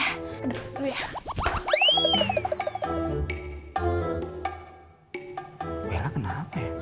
aduh dulu ya